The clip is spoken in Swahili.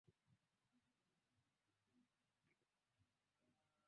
aeh ambaye uko kwenye mamlaka